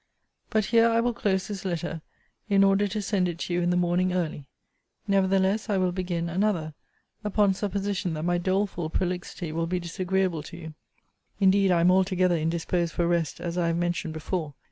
But here I will close this letter, in order to send it to you in the morning early. Nevertheless, I will begin another, upon supposition that my doleful prolixity will be disagreeable to you. Indeed I am altogether indisposed for rest, as I have mentioned before.